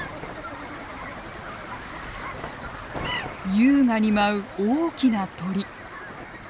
優雅に舞う大きな鳥。